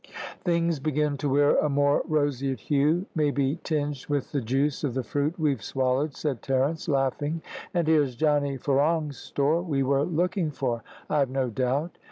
"Things begin to wear a more roseate hue, maybe tinged with the juice of the fruit we've swallowed," said Terence, laughing, "and here's Johnny Ferong's store we were looking for, I've no doubt."